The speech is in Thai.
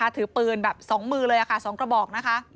ถือปืนสองมือเลย๒กระบอก